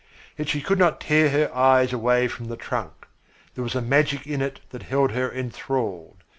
Yet she could not tear her eyes away from the trunk. There was a magic in it that held her enthralled.